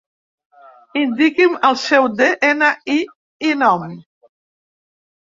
Indiqui'm el seu de-ena-i i nom.